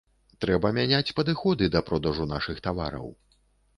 Трэба мяняць падыходы да продажу нашых тавараў.